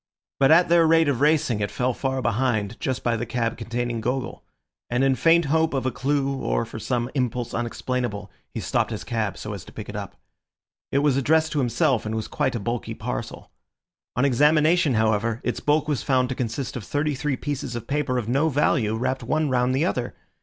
But at their rate of racing it fell far behind, just by the cab containing Gogol; and in faint hope of a clue or for some impulse unexplainable, he stopped his cab so as to pick it up. It was addressed to himself, and was quite a bulky parcel. On examination, however, its bulk was found to consist of thirty three pieces of paper of no value wrapped one round the other.